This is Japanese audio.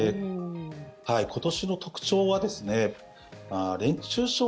今年の特徴は熱中症